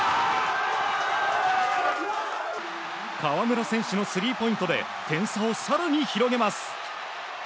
河村選手のスリーポイントで点差を更に広げます。